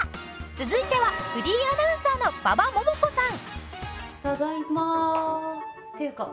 続いてはフリーアナウンサーの馬場ももこさん。